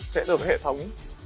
sẽ được hệ thống